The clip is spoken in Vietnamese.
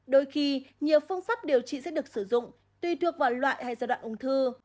đôi khi nhiều phương pháp điều trị sẽ được sử dụng tùy thuộc vào loại hay giai đoạn ung thư